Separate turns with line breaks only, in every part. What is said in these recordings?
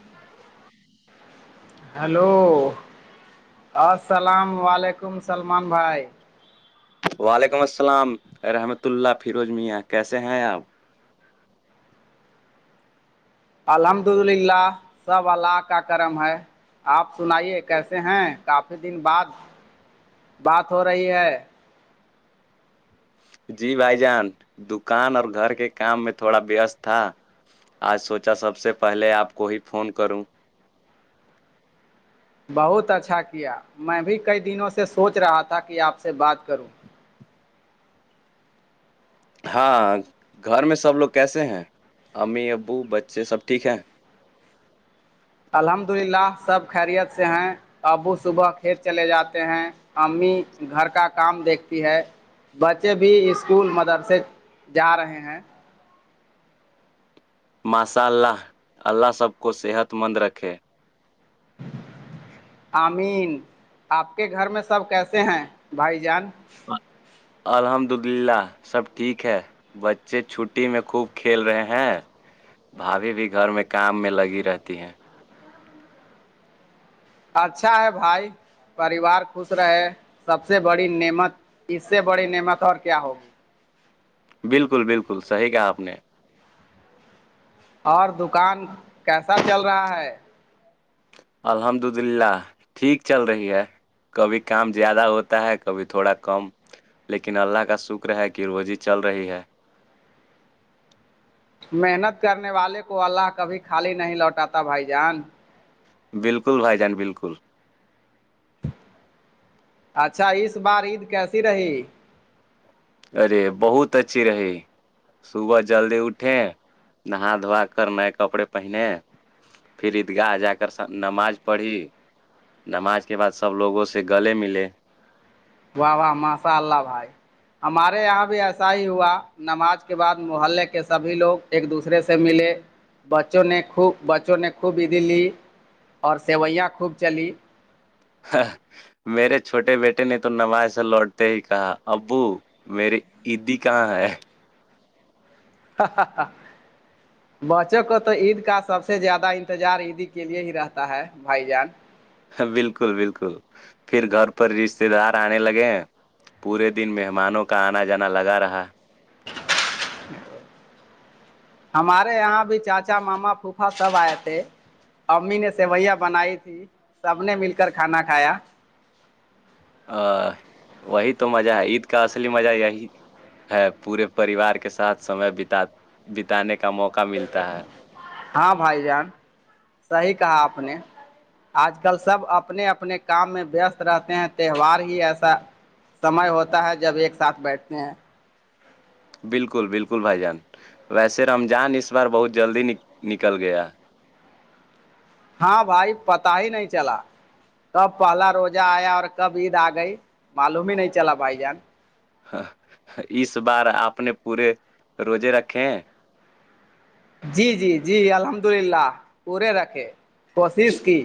[inaudible]
hello السلام و علیکم سلمان بھائی
وعلیکم السلام رحمت اللہ فیروز میاں کیسے ہیں آپ
الحمد للہ سب اللہ کا کرم ہے آپ سنائیے کیسے ہیں کافی دن بعد بات ہو رہی ہے
جی بھائی جان دکان اور گھر کے کام میں تھوڑا بیست تھا آج سوچا سب سے پہلے آپ کو ہی فون کروں
بہت اچھا کیا میں بھی کئی دنوں سے سوچ رہا تھا کہ آپ سے بات کروں
ہاں گھر میں سب لوگ کیسے ہیں امی ابو بچے سب ٹھیک ہیں
الحمد للہ سب خیریت سے ہیں ابو صبح کھیت چلے جاتے ہیں امی گھر کا کام دیکھتی ہے بچے بھی اسکول مدرسے جا رہے ہیں
ماشاء اللہ اللہ سب کو صحت مند رکھے [inaudible]
آمین آپ کے گھر میں سب کیسے ہیں بھائی جان
الحمد للہ سب ٹھیک ہے بچے چھٹی میں خوب کھیل رہے ہیں بھاابھی بھی گھر میں کام میں لگی رہتی ہیں
اچھا ہے بھائی پریوار خوش رہے سب سے بڑی نعمت اس سے بڑی نعمت اور کیا ہوگی
بالکل بالکل صحیح کہ آپ نے
اور دکان کیسا چل رہا ہے
الحمد للہ ٹھیک چل رہی ہے کبھی کام زیادہ ہوتا ہے کبھی تھوڑا کم لیکن اللہ کا شکر ہے کہ روزی چل رہی ہے
محنت کرنے والے کو اللہ کبھی خالی نہیں لوٹاتا بھائی جان
بالکل بھائی جان بالکل
اچھا اس بار عید کیسی رہی
ارے بہت اچھی رہی صبح جلدی اٹھیں نہا دھوا کر نئے کپڑے پہنے پھر عیدگاہ جا کر نماز پڑھی نماز کے بعد سب لوگوں سے گلے ملے
واہ واہ ماشاء اللہ بھائی ہمارے یہاں بھی ایسا ہی ہوا نماز کے بعد محلے کے سبھی لوگ ایک دوسرے سے ملے بچوں نے خوب بچوں نے خوب عیدی لی اور سوئیاں خوب چلی
میرے چھوٹے بیٹے نے تو نماز سے لوٹتے ہی کہا ابو میرے عیدی کہاں ہے
ہاں بچوں کو تو عید کا سب سے زیادہ انتظار عیدی کے لیے ہی رہتا ہے بھائی جان
بالکل بالکل پھر گھر پر رشتے دار آنے لگے پورے دن مہمانوں کا آنا جانا لگا رہا
ہمارے یہاں بھی چاچا ماما پوفا سب آئے تھے امی نے سیوئیاں بنائی تھی سب نے مل کر کھانا کھایا
ا وہی تو مزہ ہے عید کا اصلی مزہ یہی ہے پورے پریوار کے ساتھ سمے بتا بتانے کا موقع ملتا ہے
ہاں بھائی جان صیح کہا آپ نے آج کل سب اپنے اپنے کام میں وست رہتے ہیں تہوار ہی ایسا سمے ہوتا ہے جب ایک ساتھ بیٹھتے ہیں
بالکل بالکل بھائی جان ویسے رمضان اس بار بہت جلدی نکل گیا
ہاں بھائی پتہ ہی نہیں چلا کب پہلا روزہ آیا اور کب عید آ گئی معلوم ہی نہیں چلا بھائی جان
ہ اس بار آپ نے پورے روزے رکھے ہیں
جی جی جی الحمد للہ پورے رکھے کوشش کی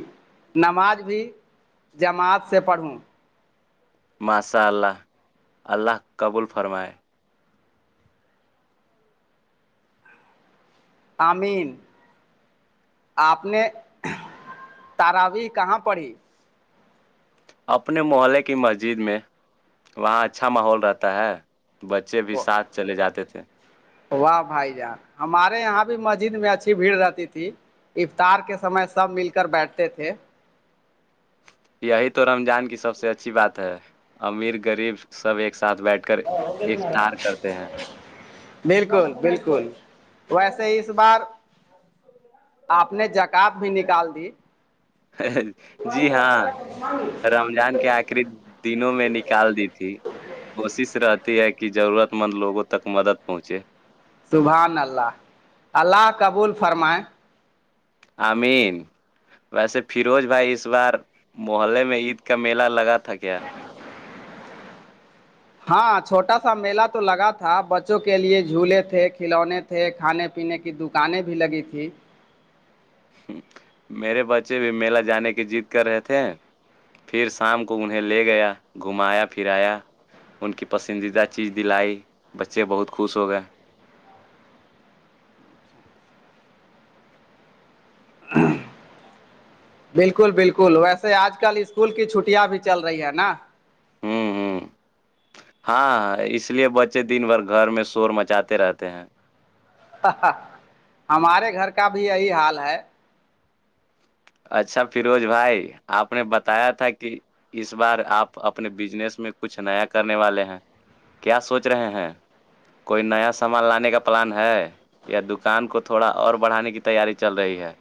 نماز بھی جماعت سے پڑھوں
ماسا اللہ اللہ قبول فرمائے
آمین آپ نے تاراوی کہاں پڑھی
اپنے محلے کی مسجد میں وہاں اچھا ماحول رہتا ہے بچے بھی ساتھ چلے جاتے تھے
واہ بھائی جان ہمارے یہاں بھی مسجد میں اچھی بھیڑ رہتی تھی افطار کے سمے سب مل کر بیٹھتے تھے
یہی تو رمضان کی سب سے اچھی بات ہے امیر غریب سب ایک ساتھ بیٹھ کر
ہ ہوگ ت مارا
افطار کرتے
بالکل بالکل ویسے اس بار آپ نے جکات بھی نکال دی
جی ہاں رمضان کیا آ بقری دنوں میں نکال دی تھی کوشش رہتی ہے کہ ضرورت مند لوگوں تک مدد پہنچے
سبحان اللہ اللہ کبول فرمائ
امین ویسے فیروز بھائی اس بار محلے میں عید کا میلہ لگا تھا کیا
ہاں چھوٹا سا میلہ تو لگا تھا بچوں کے لیے جھولے تھے کھلونے تھے تھے کھانے پینے کی دکانیں بھی لگی تھیں
میرے بچے بھی میلا جانے کی جیت کر رہے تھے پھر شام کو انہیں لے گیا گھمایا پھرایا ان کی پسندیدہ چیز دلائی بچے بہت خوش ہو گئے
بالکل بالکل ویسے آج کل اسکول کی چھٹیاں بھی چل رہی ہے نا
ہاں ہاں ہاں ہاں اس لیے بچے دن بھر گھر میں شور مچاتے رہتے ہیں
ہمارے گھر کا بھی یہی حال ہے
اچھا فروز بھائی آپ نے بتایا تھا کہ اس بار آپ اپنے بزنس میں کچھ نیا کرنے والے ہیں کیا سوچ رہے ہیں کوئی نیا سامان لانے کا پلان ہے یا دکان کو تھوڑا اور بڑھانے کی تیاری چل رہی ہے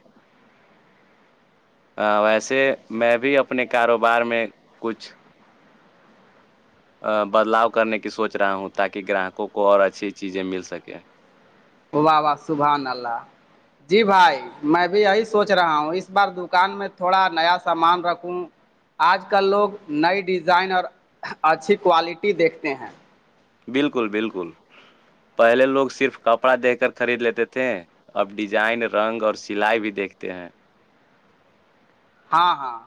ہ ویسے میں بھی اپنے کاروبار میں کچھ بدلاؤ کرنے کی سوچ رہا ہوں تاکہ گراہکوں کو اور اچھی چیزیں مل سکے
وہ واہ واہ سبحان اللہ جی بھائی میں بھی یہی سوچ رہا ہوں اس بار دکان میں تھوڑا نیا سامان رکھوں آج کل لوگ نئی ڈیزائن اور اچھی کوالٹی دیکھتے ہیں
بالکل بالکل پہلے لوگ صرف کپڑا دے کر خرید لیتے تھے اب ڈیزائن رنگ اور سلائی بھی دیکھتے ہیں
ہاں ہاں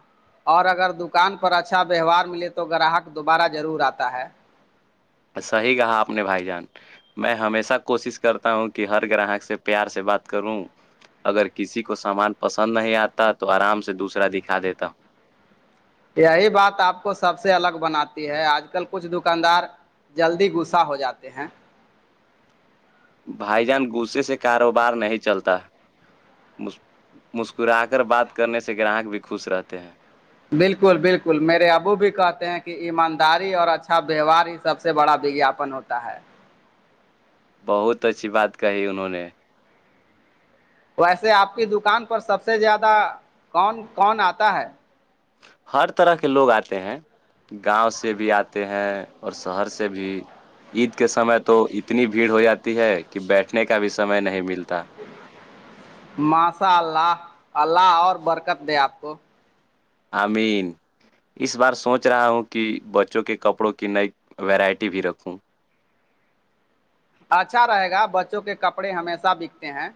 اور اگر دکان پر اچھا ویوہار ملے تو گراہک دوبارہ ضرور آتا ہے
صحیح کہا آپ نے بھائی جان میں ہمیشہ کوشش کرتا ہوں کہ ہر گراہک سے پیار سے بات کروں اگر کسی کو سامان پسند نہیں آتا تو آرام سے دوسرا دکھا دیتا ہوں
یہی بات آپ کو سب سے الگ بناتی ہے آج کل کچھ دکاندار جلدی غسہ ہو جاتے ہیں
بھائی جان غصے سے کاروبار نہیں چلتا مسکرا کر بات کرنے سے گراہک بھی خوش رہتے ہیں
بالکل بالکل میرے ابو بھی کہتے ہیں کہ ایمانداری اور اچھا ویوہار اس سب سے بڑا وگاپن ہوتا ہے
بہت اچھی بات کہی انہوں نے
ویسے آپ کی دکان پر سب سے زیادہ کون کون آتا ہے
ہر طرح کے لوگ آتے ہیں گاؤں سے بھی آتے ہیں اور شہر سے بھی عید کے سمے تو اتنی بھیڑ ہو جاتی ہے کہ بیٹھنے کا بھی سمے نہیں ملتا
ماشاء اللہ اللہ اور برکت دے آپ کو
امین اس بار سوچ رہا ہوں کہ بچوں کے کپڑوں کی نئی ویرائٹی بھی رکھوں
اچھا رہے گا بچوں کے کپڑے ہمیشہ بکتے ہیں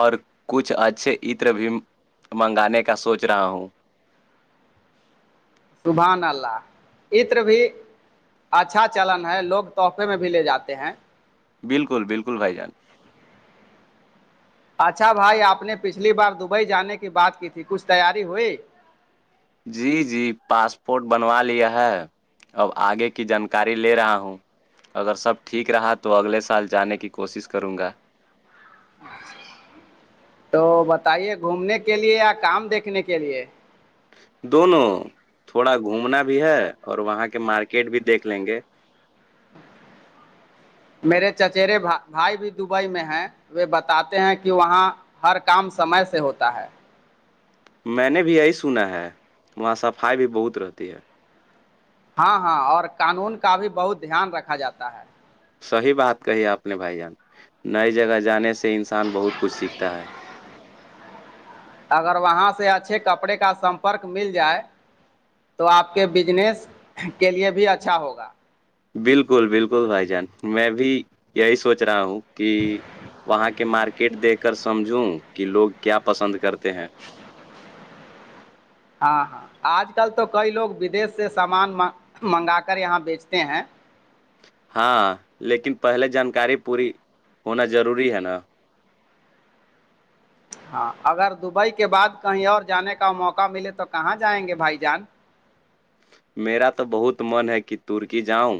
اور کچھ اچھے عطر بھی منگانے کا سوچ رہا ہوں
شبحان اللہ ا طر بھی اچھا چلن ہے لوگ تحفے میں بھی لے جاتے ہیں
بالکل بالکل بھائی جان
اچھا بھائی آپ نے پچھلی بار دبئی جانے کی بات کی تھی کچھ تیاری ہوئی
جی جی پاسپورٹ بنوا لیا ہے اب آگے کی جانکاری لے رہا ہوں اگر سب ٹھیک رہا تو اگلے سال جانے کی کوشش کروں گا
تو بتائیے گھومنے کے لیے یا کام دیکھنے کے لیے
دونوں تھوڑا گھومنا بھی ہے اور وہاں کے مارکیٹ بھی دیکھ لیں گے
میرے چچرے بھائی بھی دبئی میں ہیں وہ بتاتے ہیں کہ وہاں ہر کام سمے سے ہوتا ہے
میں نے بھی یہی سنا ہے وہاں صفائی بھی بہت رہتی ہے
ہاں ہاں اور قانون کا بھی بہت دھیان رکھا جاتا ہے
صحیح بات کہی آپ نے بھائی جان نئی جگہ جانے سے انسان بہت کچھ سیکھتا ہے [inaudible]
اگر وہاں سے اچھے کپڑے کا سمپرک مل جائے تو آپ کے بجنس کے لیے بھی اچھا ہوگا
بالکل بالکل بھائی جان میں بھی یہی سوچ رہا ہوں کہ وہاں کے مارکیٹ دیکھ کر سمجھوں کہ لوگ کیا پسند کرتے ہیں
ہاں ہاں آج کل تو کئی لوگ ودیش سے سامان منگا کر یہاں بیچتے ہیں
ہاں لیکن پہلے جانکاری پوری ہونا ضروری ہے نا
ہاں اگر دبئی کے بعد کہیں اور جانے کا موقع ملے تو کہاں جائیں گے بھائی جان
میرا تو بہت من ہے کہ ترکی جاؤں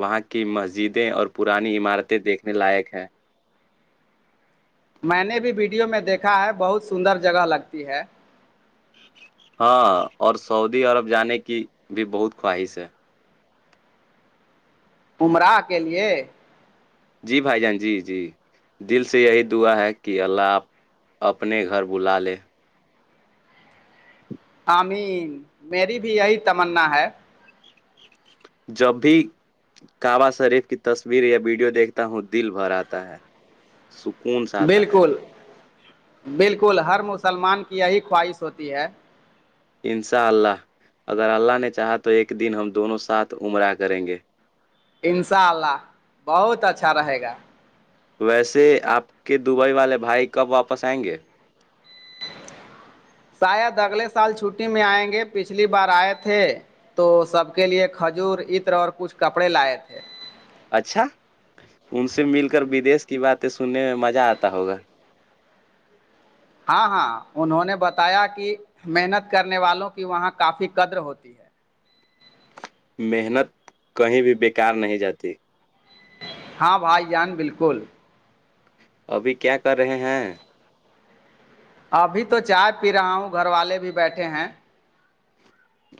وہاں کی مسجدیں اور پرانی عمارتیں دیکھنے لائق ہیں
میں نے بھی ویڈیو میں دیکھا ہے بہت سندر جگہ لگتی ہے
ہاں اور سعودی عرب جانے کی بھی بہت خواہش ہے
عمرہ کے لیے
جی بھائی جان جی جی دل سے یہی دعا ہے کہ اللہ آپ اپنے گھر بلا لے
آمین میری بھی یہی تمنا ہے
جب بھی کعبا شریف کی تصویر یا ویڈیو دیکھتا ہوں دل بھر آتا ہے سکون سا آتا ہے
بالکل بالکل ہر مسلمان کی یہی خواہش ہوتی ہے
ان شاء اللہ اگر اللہ نے چاہا تو ایک دن ہم دونوں ساتھ عمرہ کریں گے
ان شاء اللہ بہت اچھا رہے گا
ویسے آپ کے دبئی والے بھائی کب واپس آئیں گے
شاید اگلے سال چھٹی میں آئیں گے پچھلی بار آئے تھے تو سب کے لیے کھجور عتر اور کچھ کپڑے لائے تھے
اچھا ان سے مل کر بدیش کی باتیں سننے میں مزہ آتا ہوگا
ہاں ہاں انہوں نے بتایا کہ محنت کرنے والوں کی وہاں کافی قدر ہوتی ہے
محنت کہیں بھی بیکار نہیں جاتی
ہاں بھائی جان بالکل
ابھی کیا کر رہے ہیں
ابھی تو چائے پی رہا ہوں گھر والے بھی بیٹھے ہیں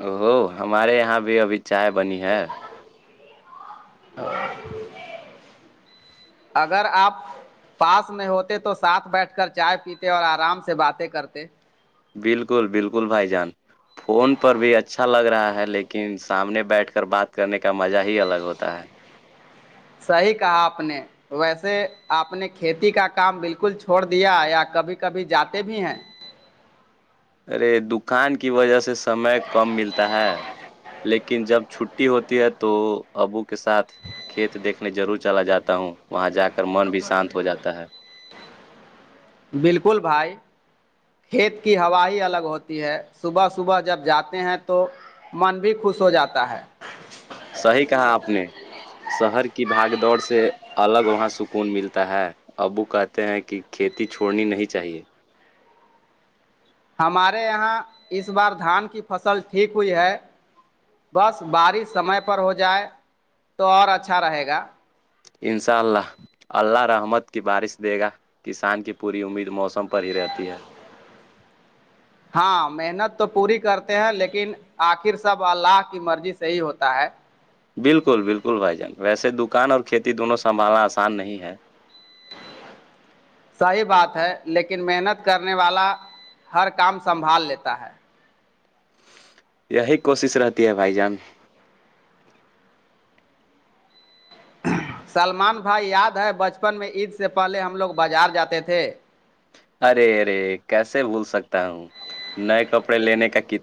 او ہو ہمارے یہاں بھی ابھی چائے بنی ہے
اگر آپ پاس میں ہوتے تو ساتھ بیٹھ کر چائے پیتے اور آرام سے باتیں کرتے
بالکل بالکل بھائی جان فون پر بھی اچھا لگ رہا ہے لیکن سامنے بیٹھ کر بات کرنے کا مزہ ہی الگ ہوتا ہے [inaudible]
صحیح کہا آپ نے ویسے آپ نے کھیتی کا کام بالکل چھوڑ دیا یا کبھی کبھی جاتے بھی ہیں
ارے دکان کی وجہ سے سمے کم ملتا ہے لیکن جب چھٹی ہوتی ہے تو ابو کے ساتھ کھیت دیکھنے ضرور چلا جاتا ہوں وہاں جا کر من بھی شانت ہو جاتا ہے
بالکل بھائی کھیت کی ہوا ہی الگ ہوتی ہے صبح صبح جب جاتے ہیں تو من بھی خوش ہو جاتا ہے
صحیح کہا آپ نے شہر کی بھاگ دوڑ سے الگ وہاں سکون ملتا ہے ابو کہتے ہیں کہ کھیتی چھوڑنی نہیں چاہیے
ہمارے یہاں اس بار دھان کی فصل ٹھیک ہوئی ہے بس بارش سمے پر ہو جائے تو اور اچھا رہے گا
انشاء اللہ اللہ رحمت کی بارش دے گا کسان کی پوری امید موسم پر ہی رہتی ہے
ہاں محنت تو پوری کرتے ہیں لیکن آخر سب اللہ کی مرضی سےح ہی ہوتا ہے
بالکل بالکل بھائی جان ویسے دکان اور کھیتی دونوں سنبھالنا آسان نہیں ہے [inaudible]
صحیح بات ہے لیکن محنت کرنے والا ہر کام سنبھال لیتا ہے
یہی کوشش رہتی ہے بھائی جان
سلمان بھائی یاد ہے بچپن میں عید سے پہلے ہم لوگ بازار جاتے تھے
ارے ارے کیسے بھول سکتا ہوں نئے کپڑے لینے کا کتنے